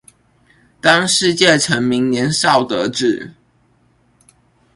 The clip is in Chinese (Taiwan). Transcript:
當世界沉迷年少得志